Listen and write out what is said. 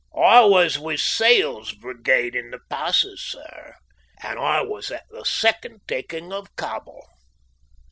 I was with Sale's brigade in the Passes, sir, and I was at the second taking of Cabul."